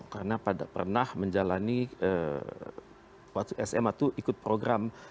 karena pada pernah menjalani waktu sma itu ikut program ke jepang